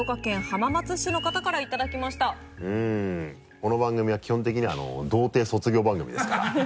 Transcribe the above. この番組は基本的には童貞卒業番組ですから。